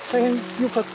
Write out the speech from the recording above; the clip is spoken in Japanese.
よかった？